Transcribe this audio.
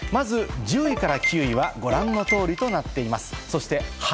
１０位から９位をご覧の通りとなっています。